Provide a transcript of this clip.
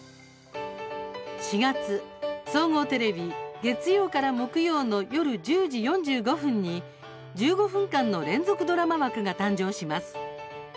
４月、総合テレビ月曜から木曜の夜１０時４５分に１５分間の連続ドラマ枠が誕生します。